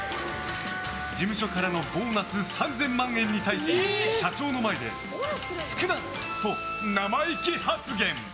事務所からのボーナス３０００万円に対し社長の前で「少なっ！」と生意気発言。